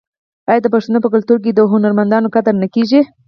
آیا د پښتنو په کلتور کې د هنرمندانو قدر نه کیږي؟